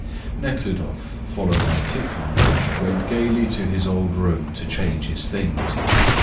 Nekhludoff, followed by Tikhon, went gaily to his old room to change his things.